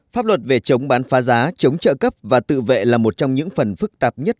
pháp luật về chống bán phá giá chống trợ cấp và tự vệ là một trong những phần phức tạp nhất